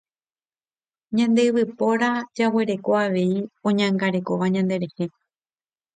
Ñande yvypóra jaguereko avei oñangarekóva ñanderehe.